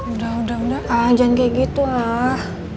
udah udah udah jangan kayak gitu lah